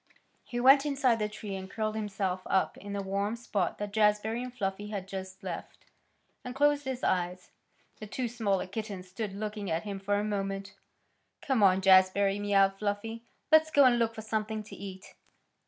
He went inside the tree and curled himself up in the warm spot that Jazbury and Fluffy had just left, and closed his eyes. The two smaller kittens stood looking at him for a moment. "Come on, Jazbury!" mewed Fluffy. "Let's go and look for something to eat."